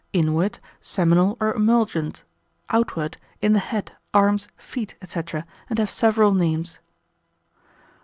Inward, seminal or emulgent. Outward, in the head, arms, feet, &c., and have several names.